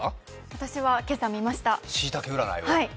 私は今朝、見ました。